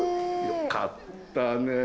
よかったね